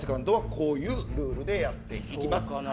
こういうルールでやっていきます。